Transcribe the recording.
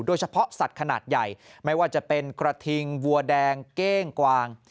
เฉพาะสัตว์ขนาดใหญ่ไม่ว่าจะเป็นกระทิงวัวแดงเก้งกวาง